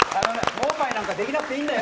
盲牌なんかできなくていいんだよ。